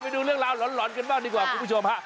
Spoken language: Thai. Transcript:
ไปดูเรื่องราวหลอนกันบ้างดีกว่าคุณผู้ชมฮะ